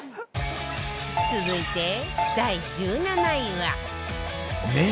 続いて第１７位は